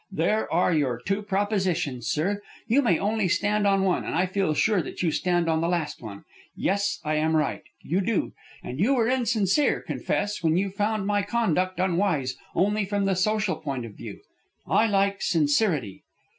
There are your two propositions, sir. You may only stand on one, and I feel sure that you stand on the last one. Yes, I am right. You do. And you were insincere, confess, when you found my conduct unwise only from the social point of view. I like sincerity."